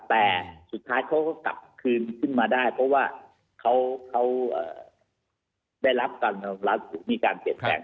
แต่สุดท้ายเขาก็กลับคืนขึ้นมาได้เพราะว่าเขาได้รับการเปลี่ยนแปลง